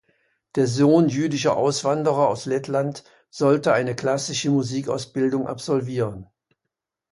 Der Sohn jüdischer Auswanderer aus Lettland sollte eine klassische Musikausbildung absolvieren.